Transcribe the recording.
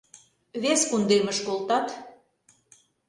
Вес кундемыш колтат...